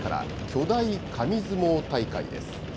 巨大紙相撲大会です。